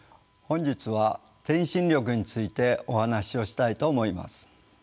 本日は「転身力」についてお話をしたいと思います。